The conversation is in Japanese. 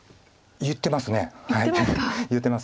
言ってます。